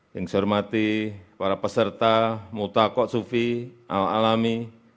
yang saya hormati para peserta mutako sufi al alami